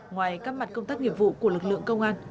ngoài các mặt công tác nghiệp vụ của lực lượng công an